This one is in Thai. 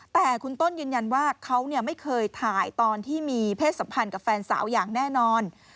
แต่คุณต้นยืนยันว่าเขาไม่เคยถ่ายตอนที่มีเพศสัมพันธ์กับแฟนสาวอย่างแน่นอน